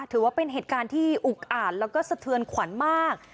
ถือว่าเป็นเหตุการณ์ที่อุกอ่านแล้วก็สะเทือนขวัญมาก